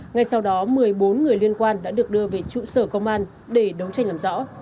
ngay sau đó một mươi bốn người liên quan đã được đưa về trụ sở công an để đấu tranh làm rõ